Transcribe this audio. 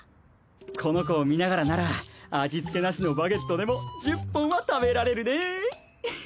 この子を見ながらなら味付けなしのバゲットでも１０本は食べられるねフフッ。